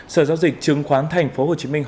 sở giao dịch chứng khoán thành phố hồ chí minh